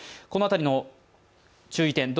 この辺りの注意点